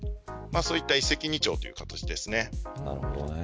そういった一石二鳥という形です。